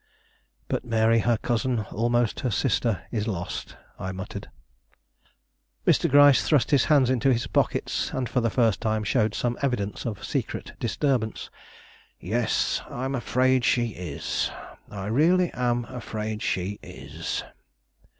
"But Mary, her cousin, almost her sister, is lost," I muttered. Mr. Gryce thrust his hands into his pockets and, for the first time, showed some evidence of secret disturbance. "Yes, I am afraid she is; I really am afraid she is."